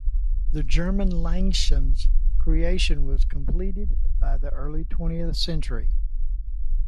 The German Langshan's creation was completed by the early twentieth century.